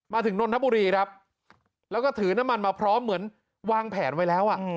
นนทบุรีครับแล้วก็ถือน้ำมันมาพร้อมเหมือนวางแผนไว้แล้วอ่ะ